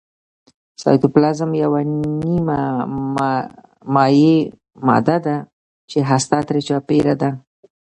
سایتوپلازم یوه نیمه مایع ماده ده چې هسته ترې چاپیره ده